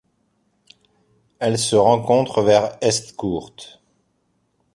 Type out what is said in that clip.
Elle se rencontre vers Estcourt.